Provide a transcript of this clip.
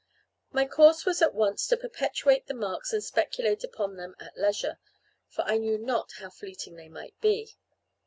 My course was at once to perpetuate the marks and speculate upon them at leisure, for I knew not how fleeting they might be.